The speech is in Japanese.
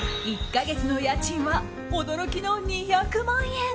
１か月の家賃は驚きの２００万円！